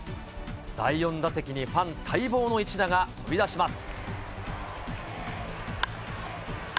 第４打席にファン待望の一打が飛び出します。